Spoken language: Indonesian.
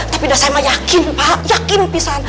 tapi dah saya meyakin pak yakin pisah